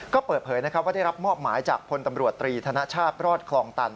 ก็เปิดเผยว่าได้รับมอบหมายจากพลตำรวจตรีธนชาติรอดคลองตัน